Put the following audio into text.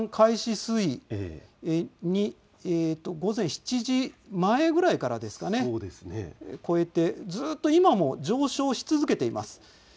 水位午前７時前ぐらいからですかね、超えてずっと今も上昇し続けています。